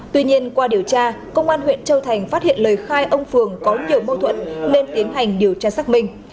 tuy nhiên qua điều tra công an huyện châu thành phát hiện lời khai ông phường có nhiều mâu thuẫn nên tiến hành điều tra xác minh